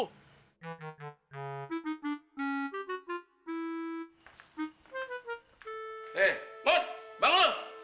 hei mahmud bangun lu